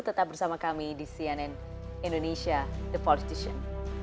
tetap bersama kami di cnn indonesia the politician